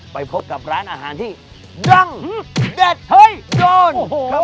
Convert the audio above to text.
ไปพบกับร้านอาหารที่ดังเด็ดเฮ้ยโดน